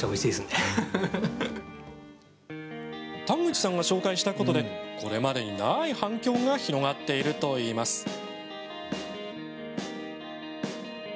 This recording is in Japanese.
田口さんが紹介したことでこれまでにない反響が広がっているといいます。